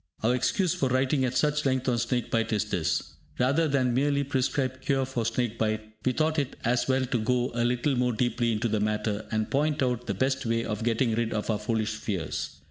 Our excuse for writing at such length on snake bite is this. Rather than merely prescribe cure for snake bite, we thought it as well to go a little more deeply into the matter, and point out the best way of getting rid of our foolish fears.